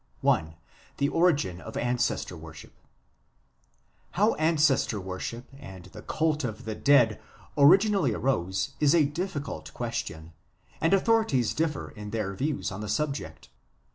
THE ORIGIN OF ANCESTOR WORSHIP How Ancestor worship and the cult of the dead originally arose is a difficult question, and authorities differ in their views on the subject.